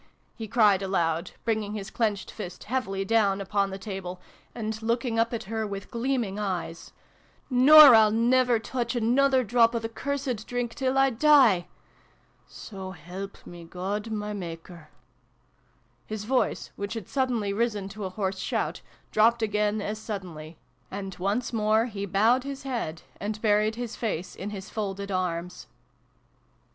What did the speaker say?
he cried aloud, bringing, his clenched fist heavily down upon the table, and looking up at her with gleaming eyes, "nor I'll never touch another drop o' the cursed drink till 1 die so help me God my Maker!" His voice, which had suddenly risen to a hoarse shout, dropped again as suddenly : and once more he bowed his head, and buried his face in his folded arms. 88 SYLVIE AND BRUNO CONCLUDED. vi] WILLIE'S WIFE.